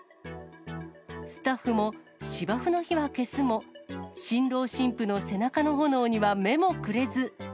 スタッフも、芝生の火は消すも、新郎新婦の背中の炎には目もくれず。